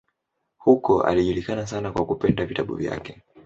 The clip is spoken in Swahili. Huko alijulikana sana kwa kupenda vitabu kwake.